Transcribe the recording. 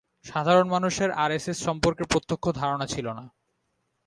সাধারণ মানুষের আরএসএস সম্পর্কে প্রত্যক্ষ ধারণা ছিল না।